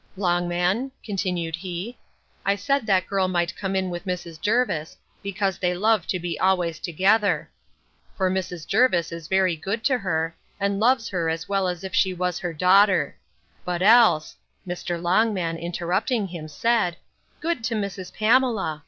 Longman, continued he, I said that girl might come in with Mrs. Jervis, because they love to be always together. For Mrs. Jervis is very good to her, and loves her as well as if she was her daughter. But else—Mr. Longman, interrupting him, said, Good to Mrs. Pamela!